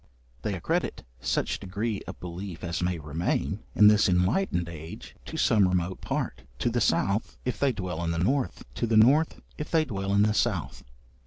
They accredit such degree of belief as may remain, in this enlightened age, to some remote part to the south, if they dwell in the north; to the north, if they dwell in the south.